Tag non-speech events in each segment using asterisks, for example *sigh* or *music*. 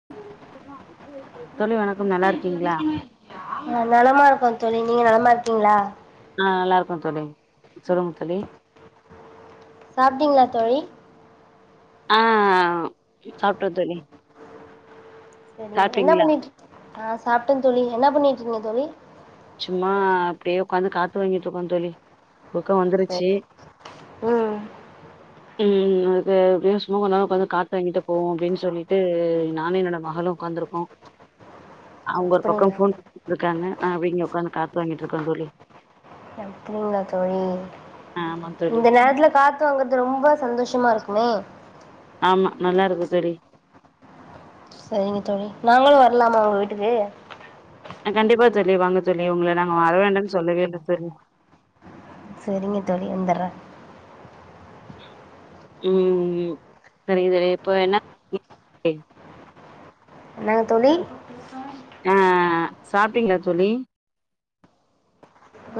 *unintelligible* வணக்கம் நல்லா இருக்கீங்களா நலமா இருக்கோ தோழி நீங்க நலமா இருக்கிங்ளா அ நல்லாருக்கோ தோழி சொல்லுங்க தோழி சாப்ட்டிங்ளா தோழி அ சாப்ட்ட தோழி செரிங்க என்ன சாப்ட்டீங்களா பண்ணிட்ருக் ஆ சாப்பிட்ட தோழி என்ன பண்ணிட்ருக்கிங்க தோழி சும்மா அப்படியே உக்காந்து காத்து வாங்கிட்ருக்கோ தோழி தூக்க வந்துருச்சு சரி ம் ம் அ அது அப்டே சும்மா கொஞ்ச நேர உக்காந்து காத்து வாங்கிட்டு போவோ அப்படின் சொல்லிட்டு நானு என்னோட மகளு உக்காந்துருக்கோ அவங்க ஒரு பக்க அப்படிங்களா ஃபோன் தோழி, பாத்துட்ருக்காங்க நா அப்டே இங்க உக்காந்து காத்து வாங்கிட்ருக்க தோழி எ ஃபோ ளா தோழி ஆமா தோழி இந்த நேரத்துல காத்து வாங்கறது ரொம்ப சந்தோஷமா இருக்குமே ஆமா நல்லா இருக்கு தோழி சரிங்க தோழி நாங்களு வரலாமா உங்க வீட்டுக்கு கண்டிப்பா தோழி வாங்க தோழி உங்கள நாங்க வர வேண்டான்னு சொல்லவே இல்ல தோழி செரிங்க தோழி வந்தர்ற ம் தெரியு தெரியு இப்ப என்ன சாப்ட்டீங்க? என்னங்க தோழி ஆ ஆ ஆ சாப்ட்டிங்ளா தோழி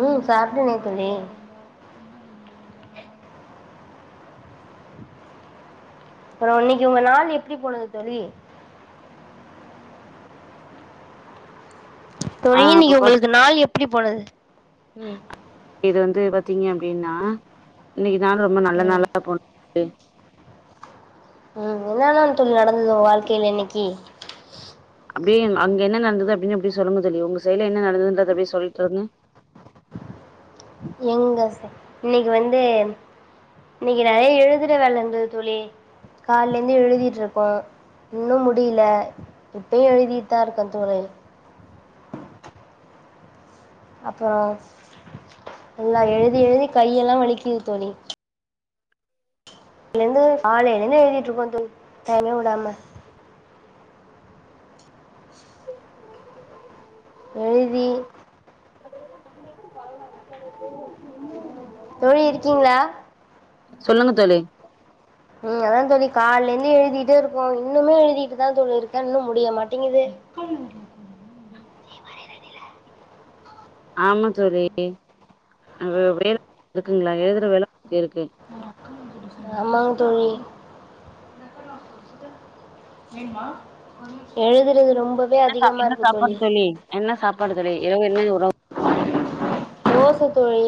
ம் சாப்ட்டனே தோழி அப்புற இன்னைக்கு உங்க நாள் எப்படி போனது தோழி ஆ தோழி அப்ப இன்னைக்கு பாத் ஒங்களுக்கு நாள் எப்படி போனது ம் இது வந்து பாத்தீங்க அப்டின்னா இன்னைக்கு நாள் ரொம்ப நல்ல ம் நாளா போனது ம் என்னல்லாம் தோழி நடந்துது உங்க வாழ்க்கைல இன்னைக்கி அப்டியே அங்க என்ன நடந்தது அப்டின் அப்டே சொல்லுங்க தோழி உங்க சைட்ல என்ன நடந்துதுன்றத அப்டே சொல்லிட்ருங்க எங்க சை இன்னைக்கி வந்து இன்னைக்கி நறையா எழுதற வேல இருந்துது தோழி கால்ல இருந்தே எழுதிட்ருக்கோம் இன்னும் முடியில இப்பயும் எழுதிட்டுதா இருக்க தோழி அப்றோம் நல்லா எழுதி எழுதி கையெல்லா வலிக்குது தோழி ல இருந்து காலைல இருந்து எழுதிட்ருக்கோம் தோழி டைமே உடாம எழுதி *inaudible* தோழி இருக்கீங்களா சொல்லுங்க தோழி ம் அதா தோழி கால்ல இருந்து எழுதிட்டே இருக்கோம் இன்னுமே எழுதிட்டுதா தோழி இருக்கே இன்னும் முடிய மாட்டிங்கிது சொல்லுங்க ம் ஆமா தோழி எழுதற வேல இருக்குங்களா எழுதற வேல கொஞ்சம் இருக்கு ஆமாங் தோழி எழுதறது ரொம்ப என்ன சாப் என்ன சாப்பாடு தோழி என்ன சாப்பாடு தோழி இரவு என்ன உணவு தோச தோழி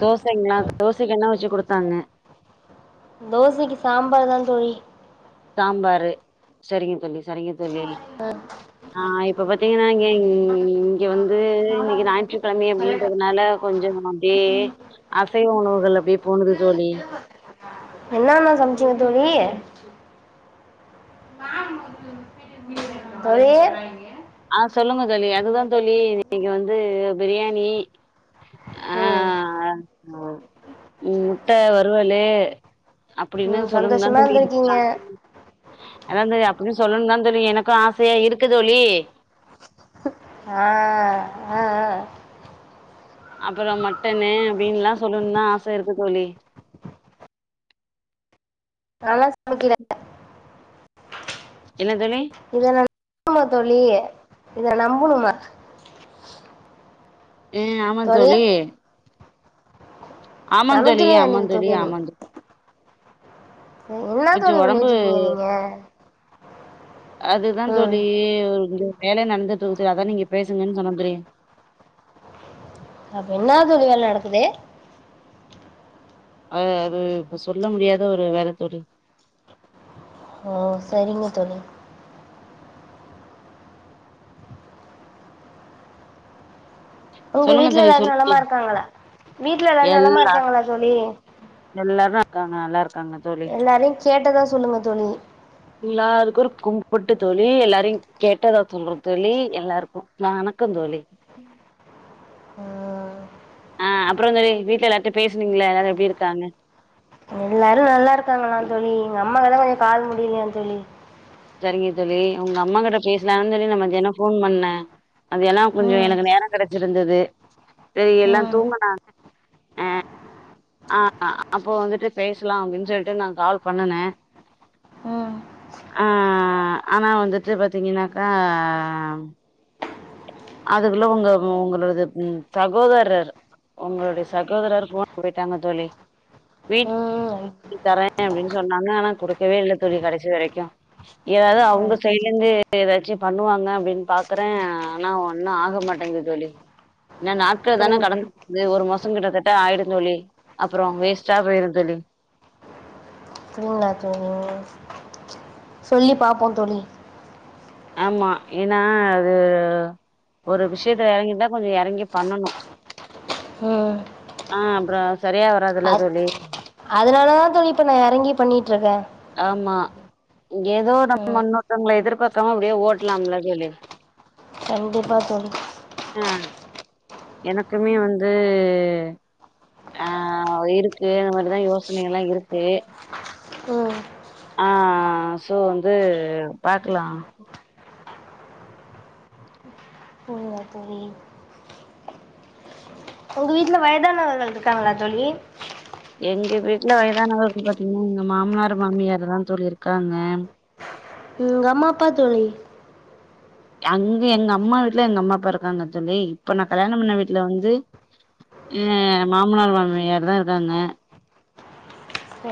தோசைங்களா தோசைக்கு என்ன வச்சி குடுத்தாங்க தோசைக்கு சாம்பார் தா தோழி சாம்பாரு சரிங்க தோழி சரிங்க தோழி ஆ ஆ இப்ப பாத்தீங்கன்னா இங்கே இங்க வந்து இன்னைக்கு நாலாவது தானே ஞாயிற்றுக்கிழமை சொல்லிட்டேன் அப்டின்றதுனால கொஞ்சமா அப்டே அசைவ உணவுகள் அப்டே போனது தோழி என்னன்ன சமச்சீங்க தோழி *unintelligible* தோழி ஆ சொல்லுங்க தோழி அதுதா தோழி இன்னைக்கி வந்து பிரியாணி ஆ ம் முட்ட வறுவலு அப்டின்னு ம் சொல்லனுன்னு தா சந்தோஷமா தோழி இருந்திருக்கீங்க சான்ஸூ அதா தோழி அப்டின் சொல்லனும் தான் தோழி எனக்கும் ஆசயா இருக்கு தோழி ஆ ஆ ஆ அப்புறம் மட்டனு அப்டின்னுலாம் சொல்லனுன்னு தான் ஆச இருக்கு தோழி நாலா சமைக்கில என்ன தோழி இத நா நம்பனுமா தோழி இத நா நம்பனுமா ம் ஆமா தோழி ஆமாந் தோழி சமைக்கலையா இன்னைக்கு ஆமாந் தோழி ஆமாந் தோ என்னா தோழி கொஞ்சம் உடம்பு பண்ணிட்ருக்கீங்க நீங்க அதுதா ம் தோழி இங்க ஒரு வேல நடந்துட்டுருக்கு தோழி அதா நீங்க பேசுங்கன் சொன்ன தோழி அப்டி என்னா தோழி வேல நடக்குது அது அது இப்ப சொல்ல முடியாத ஒரு வேல தோழி ஓ சரிங்க தோழி உங்க சொல்லுங்க வீட்ல தோழி எல்லாரும் நலமா சொல்லுங்க இருக்காங்களா வீட்ல எல்லாரும் நலமா எல்லா இருக்காங்களா தோழி எல்லாரு இருக்காங்க நல்லா இருக்காங்க தோழி எல்லாரையும் கேட்டதா சொல்லுங்க தோழி எல்லாருக்கும் ஒரு கும்பிட்டு தோழி எல்லாரையும் கேட்டதா சொல்ற தோழி எல்லாருக்கும் வணக்க தோழி ம் ஆ அப்பறம் தோழி வீட்டுல எல்லார்ட்டயு பேசனீங்களா எல்லாரு எப்புடி இருக்காங்க எல்லாரு நல்லா இருக்காங்களா தோழி எங்க அம்மாவுக்கு தா கொஞ்ச கால் முடியலையா தோழி சரிங்க தோழி உங்க அம்மா கிட்ட பேசலானு சொல்லி நா மதியான போன் பண்ணே அது ஏன்னா கொஞ்ச ம் எனக்கு நேர கிடைச்சிருந்தது சரி எல்லா ம் தூங்குனாங்க ஆ ஆ அப்போ வந்துட்டு பேசலா அப்டின்னு சொல்லிட்டு நா கால் பண்ணுனே ம் ஆ ஆனா வந்துட்டு பாத்தீங்கன்னாக்கா அதுக்குள்ள உங்க உங்களோது சகோதரர் உங்களுடைய சகோதரர் போட்டுகு போயிட்டாங்க தோழி வீட்டு ம் ம் தரேன் சொன்னாங்க ஆனா கொடுக்கவே இல்லை கடைசி வரைக்கு ஏதாவது அவங்க சைடல இருந்து ஏதாச்சு பண்ணுவாங்க அப்டின்னு பாக்குறே ஆனா ஒன்னும் ஆக மாட்டேங்குது தோழி என்னா நாட்கள் தானே அப்படிங் கடந்து போது ஒரு மாசம் கிட்டத்தட்ட ஆயிடு தோழி அப்பற வேஸ்ட்டா போயிரும் தோழி. அப்டிங்களா தோழி சொல்லி பாப்போம் தோழி ஆம்மா ஏன்னா அது ஒரு விஷயத்தல இறங்கிட்டா கொஞ்சோ இறங்கி பண்ணணு ம் ஆ அப்பற சரியா வராதுல தோழி அதனால தா தோழிஇப்ப நா இறங்கி பண்ணிட்டு இருக்கே ஆமா ஏதோ நம்ம ம் இன்னொருத்தவங்களை எதிர்பார்க்காம அப்டியே ஓட்டலாம்ல தோழி கண்டிப்பா தோழி ஆ எனக்குமே வந்து ஆ இருக்கு அந்த மாதிரிதான் யோசனைகள் எல்லா இருக்கு ம் அ அ அ சோ வந்து பாக்குலா போவுவா தோழி ஒங்கு வீட்ல வயதானவர்கள்ருக்காங்களா தோழி எங்க வீட்டுல வயதானவர் பாத்தீங்கன்னா எங்க மாமனார் மாமியார் தான் இருக்காங்க ம் உங்க அம்மா அப்பா தோழி அங்கே எங்க அம்மா வீட்டுல எங்க அம்மா அப்பா இருக்காங்க தோழி இப்ப நா கல்யாணம் பண்ண வீட்டுல வந்து ஏ மாமனார் மாமியார் தான் இருக்காங்க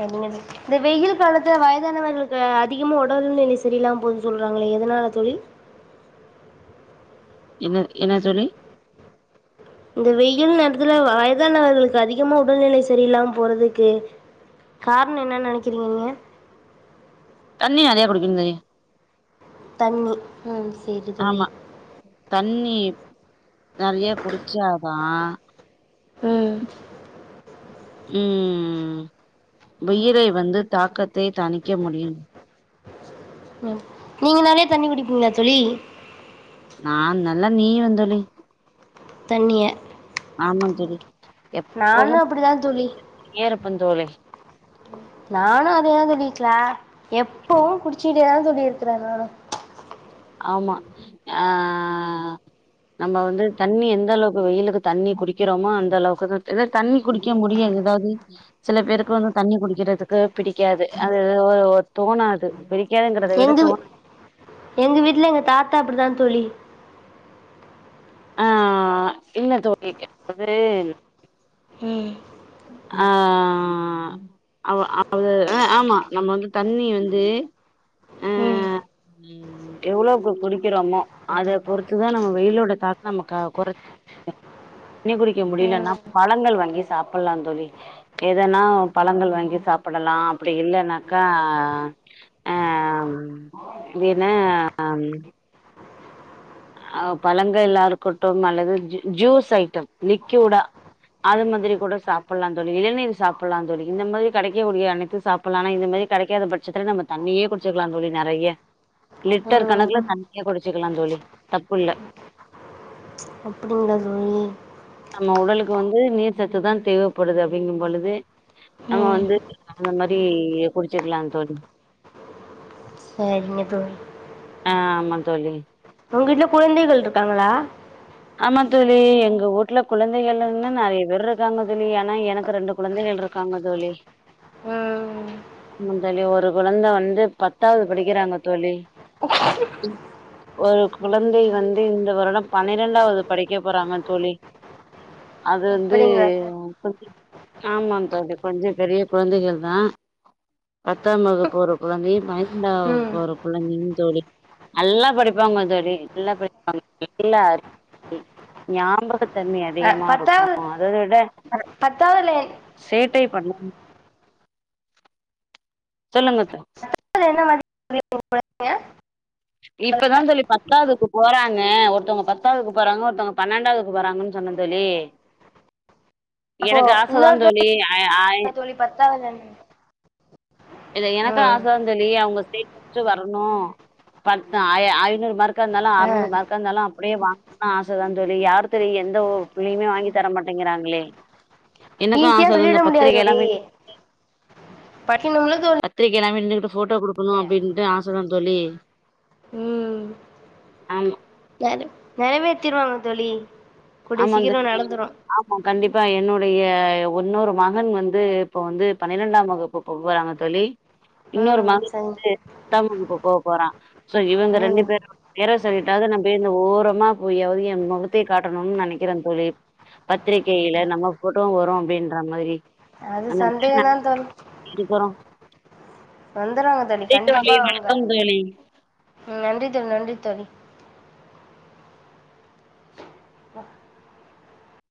ஏதோ ஒன்னு இந்த வெயில் காலத்துல வயதானவர்களுக்கு அதிகமா உடல் நிலை சரியில்லாம போதுன்னு சொல்றாங்களே எதனால தோழி என்ன என்ன தோழி இந்த வெயில் நேரத்துல வயதானவர்களுக்கு அதிகமா உடல்நிலை சரியில்லாம போறதுக்கு. காரணம் என்ன நினைக்கிறீங்க நீங்க தண்ணி நெறையா குடிக்கணும் தோழி தண்ணி ம் சேரி தோழி ஆமா தண்ணி நிறைய குடிச்சாதா ம் ம் உயிரை வந்து தாக்கத்தை தணிக்க முடியும் ம். நீங்க நிறைய தண்ணி குடிப்பீங்களா தோழி நா நல்லா நீய்வே தோழி தண்ணிய ஆம தோழி எப்பவு நானும் அப்படிதான் தோழி கெத்திக்கிட்டே இருப்பந் தோழி நானு அதேதா தோழி க்ளே எப்பவு குடிச்சிகிட்டேதா தோழி இருக்குற நானு ஆமா அ நம்ப வந்து தண்ணி எந்த அளவுக்கு வெய்யிலுக்கு தண்ணி குடிக்கிறோமோ அந்த அளவுக்குதா எதட் தண்ணி குடிக்க முடியாது எதாவ்து சில பேருக்கு வந்து தண்ணி குடிக்கிறதுக்கு பிடிக்காது அது எதோவோ ஒரு தோணாது பிடிக் எங்கு வீ எங்கு வீட்ல எங்க தாத்தா அப்புடிதா தோழி அ அ அ இல்ல தோழி *inaudible* ம் அ அவ அது அ ஆமா நம்ம வந்து தண்ணி வந்து ம் ம் ம் எவ்ளோக்கு குடிக்கிறோமோ அத பொறுத்துதா நம்ம வெயிலோட தாக்கம்மக்கா கொறச் தண்ணி குடிக்க முடிய்லன்னா பழங்கள் வாங்கி சாப்புட்லா தோழி எதன்னா பழங்கள் வாங்கி சாப்புடலா அப்புடி இல்லன்னாக்க அ இது என்ன அ பழங்களலா இருக்குட்டு மல்லது ஜு ஜூஸ் ஐட்டம் லிக்யூடா அத மாதுரி கூட சாப்புட்லா தோழி இளநீர் சாப்புல்லா தோழி இந்த மரி கடைக்கூடிய அனைத்து சாப் புல்லா ஆனா இந்தமேரி கடைக்காத பட்சத்துல நம்ம தண்ணியே குடிச்சிக்லா தோழி நறைய லிட்டர் ம் கணக்குல தண்ணிய குடிச்சிக்குலா தோழி தப்புல்ல அப்புடிங்ளா தோழி நம்ம உடலுக்கு வந்து நீர் சத்துதா தேவேப்படுது அப்டிங்கும்பொழுது நம்ம ம் வந்து அந்த மாரி குடிச்சிக்லா தோழி சரிங்க தோழி அ ஆம்மா தோழி ஒங் வீட்ல குழந்தைகள்ருக்காங்களா ஆமா தோழி எங்க ஊட்ல குழந்தைகளுன்னு நெறைய பேர் இருக்காங்க தோழி ஆனா எனக்கு ரெண்டு குழந்தைகள் இருக் காங்க தோழி ம் ஆமா தோழி ஒரு குழந்த வந்து பத்தாவது படிக்கிறாங்க தோழி ஒரு குழந்தை வந்து இந்த வருடம் பன பணடாவது படிக்க போறாங்க தோழி அது வந்து அப்படிங்களா சார் ஆமா தோழி கொஞ்ச பெரிய குழந்தைகள் தா பத்தாம் வகுப்பு ஒரு கொழந்தையு பய்ந்தா ம் வகுப்பு ஒரு குழந்யும் தோழி நல்லா படிப்பாங்க தோழி நல்லா படிப்பாங்க *inaudible* இல்ல அர் இ ஞாபகத்தன்மை அ, அதிகமா இருக்கு பத்தாவது அத விட அது பத்தாவதுல என்ன- சேட்டை பண்ணு சொல்லுங்கத்த அது என்ன மாதி *inaudible* இப்பதா தோழி பத்தாவ்துக்கு போறாங்க ஒருத்தவுங்க பத்தாவ்துக்கு போறாங்க ஒருத்தவங்க பன்ணன்டாவ்துக்கு போறாங்கன் சொன்ன தொழி அப்போ எனக்கு ஆசதா இன்னொரு தோழி ஐ ஆய் தோழி பத்தாவுதானங்க இத எனக்கு ஆசதா தோழி அவுங்க ஸ்டேட் ஃபஸ்ட்டு வரணு பத்த ஆயா ஐநூறு மார்கா இர்ந்தாலு ஆ அறநூறு மார்கா இர்ந்தாலு அப்புடே வா ன்னு ஆசதா தோழி யார் தெரியு எந்த ஒ புள்ளையுமே வாங்கி தர மாட்டேங்கிறாங்களே எனக்கு ஈஸியா ஆசதா சொல்லிட இந்த முடியாது பத்திரிகை எல்லா தோழி பட்கினும்ல தோழ் பத்திரிக்க எல்லாமே நின்னுகிட்டு போட்டோ குடுக்குணு அப்டின்ட்டு ஆசதா தோழி ஆமா யாரு நெறைவேத்திருவாங்க தோழி கூடிய ஆமா சீக்கிரம் தோழி நடந்துரும் ஆமா கண்டிப்பா என்னுடைய ஒன்னொரு மகன் வந்து இப்போ வந்து பன்னிரெண்டாம் வகுப்பு போ போறாங்க தோழி இன்னொரு ம் மகன் சரிங்க வந்து எட்டாம் வகுப்பு போக போறா சோ இவுங்க ரெண்டு ம் பேர் பேரை சொல்லிட்டாவது நம் போய் ஓரமா போய்யாவது என் முகத்த கா கட்டணும்னு நெனைக்கிறேன் தோழி பத்திரிகையில நம்ம போட்டோ வரும் அப்டின்ற மாரி அது நல்லபடியா சந்தேகம்தான் தோழி நெனச்சுட்டு இருக்கறோ வந்துடுவாங்க செரி தோழி கண்டிப்பாக அவங்க வணக்கம் தோழி ம் நன்றி தோழி நன்றி தோழி